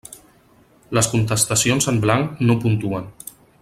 Les contestacions en blanc no puntuen.